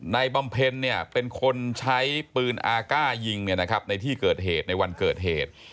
บำเพ็ญเป็นคนใช้ปืนอาก้ายิงในที่เกิดเหตุในวันเกิดเหตุ